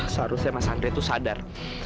seharusnya mas andre itu sadar